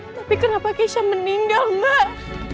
tapi kenapa kisah meninggal mbak